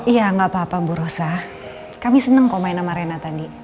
iya gak apa apa bu rosa kami senang kok main sama rena tadi